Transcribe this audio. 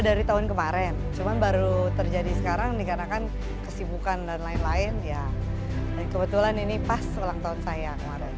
dan kebetulan ini pas ulang tahun saya kemarin